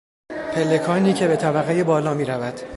پلکانی که به طبقهی بالا میرود